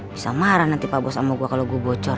bisa marah nanti pak bos sama gue kalau gue bocor